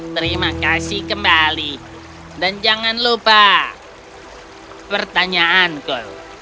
terima kasih kembali dan jangan lupa pertanyaanku